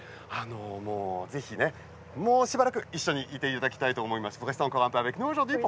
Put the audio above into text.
ぜひ、もうしばらく一緒にいていただきたいと思います。